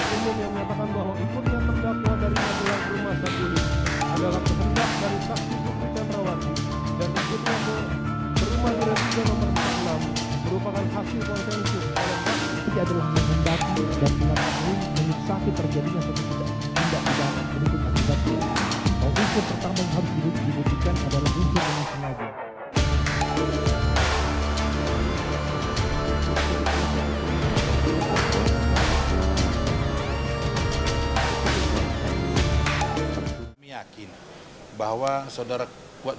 yang ketiga adalah mengendaki dan menyalahkan